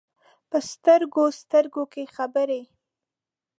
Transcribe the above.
په سترګو، سترګو کې خبرې ،